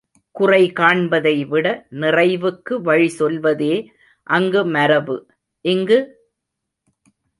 குறை காண்பதை விட நிறைவுக்கு வழி சொல்வதே அங்கு மரபு, இங்கு?